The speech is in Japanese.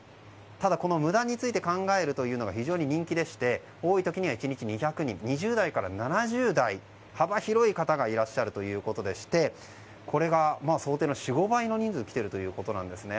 ただ、この無駄について考えるというのが非常に人気でして多い時には１日２００人２０代から７０代、幅広い方がいらっしゃるということでしてこれが想定の４５倍の人数来ているということなんですね。